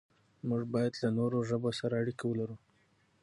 موږ بايد له نورو ژبو سره اړيکې ولرو.